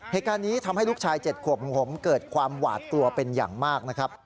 เหตุการณ์นี้ทำให้ลูกชาย๗ขวบของผมเกิดความหวาดกลัวเป็นอย่างมากนะครับ